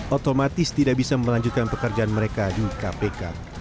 otomatis tidak bisa melanjutkan pekerjaan mereka di kpk